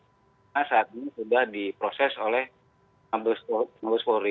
karena saat ini sudah diproses oleh mablus polri